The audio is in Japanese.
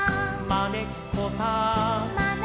「まねっこさん」